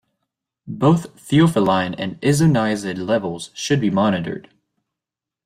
Both theophylline and isoniazid levels should be monitored.